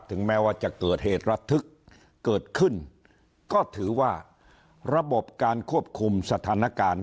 แม้ว่าจะเกิดเหตุระทึกเกิดขึ้นก็ถือว่าระบบการควบคุมสถานการณ์